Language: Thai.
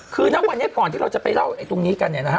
คือณวันนี้ก่อนที่เราจะไปเล่าไอ้ตรงนี้กันเนี่ยนะฮะ